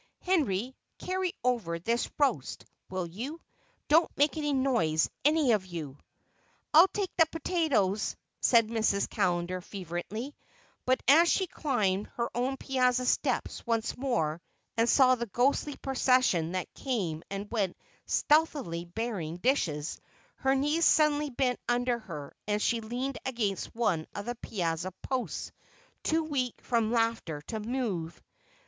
Henry, carry over this roast, will you? Don't make any noise, any of you." "I'll take the potatoes," said Mrs. Callender fervently, but as she climbed her own piazza steps once more and saw the ghostly procession that came and went stealthily bearing dishes, her knees suddenly bent under her, and she leaned against one of the piazza posts, too weak from laughter to move.